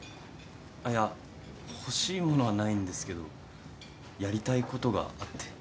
あっいや欲しい物はないんですけどやりたいことがあって。